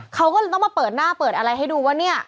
เขาก็เลยต้องมาเปิดหน้าเปิดอะไรให้ดูว่าเนี่ย